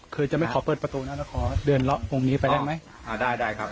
คือจะไม่ขอเปิดประตูนะแล้วขอเดินเลาะตรงนี้ไปได้ไหมอ่าได้ได้ครับ